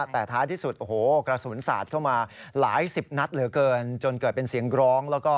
แต่ท้ายที่สุดกระสุนสาธิ์เข้ามาหลายสิบนัดเหลือเกินจนเกิดเป็นเสียงกร้อง